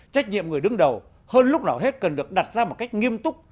trách nhiệm người đứng đầu hơn lúc nào hết cần được đặt ra một cách nghiêm túc